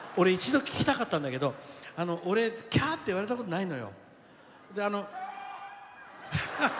一度、聞きたかったんだけど「キャー」って言われたことないのよ。